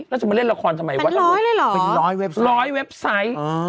เป็นร้อยเลยหรอร้อยเว็บไซต์ร้อยเว็บไซต์